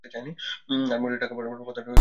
আর মঠে টাকা পাঠাবার কথাটায় গাফিলা হয়ো না।